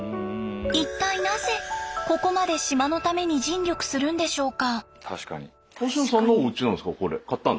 一体なぜここまで島のために尽力するんでしょうか？